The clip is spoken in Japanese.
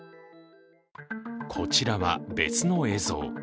こちらは別の映像。